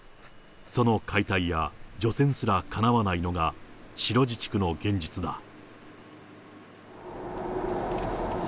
その解体や除染すらかなわないのが、白地地区の現実だ。